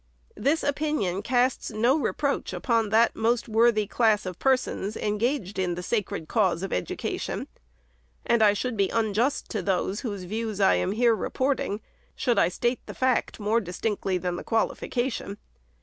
This opinion casts no reproach upon that most worthy class of persons, engaged in the sacred cause of education ; and I should be unjust to those, whose views I am here reporting, should I state the fact more distinctly than the qualification.